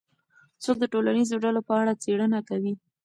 څوک د ټولنیزو ډلو په اړه څېړنه کوي؟